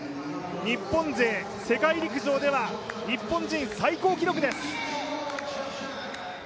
日本勢世界陸上では日本人最高記録です。